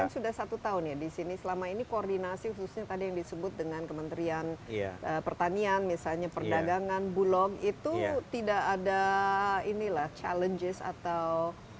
kan sudah satu tahun ya di sini selama ini koordinasi khususnya tadi yang disebut dengan kementerian pertanian misalnya perdagangan bulog itu tidak ada inilah challenges atau